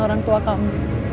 orang tua kamu